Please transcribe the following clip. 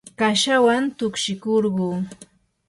kashawan tukshikurquu.